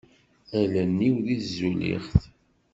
Allen-iw di tzulixt.